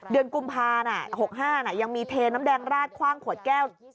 กุมภา๖๕ยังมีเทน้ำแดงราดคว่างขวดแก้ว